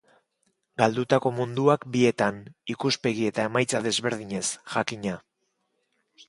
Galdutako munduak bietan, ikuspegi eta emaitza desberdinez, jakina.